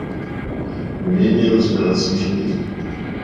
Умение разбираться в железе